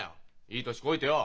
いい年こいてよ。